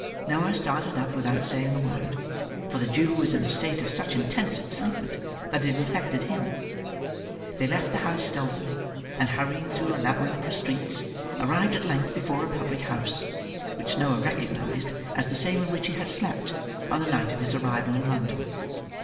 Noah started up without saying a word; for the Jew was in a state of such intense excitement that it infected him. They left the house stealthily, and hurrying through a labyrinth of streets, arrived at length before a public house, which Noah recognised as the same in which he had slept, on the night of his arrival in London.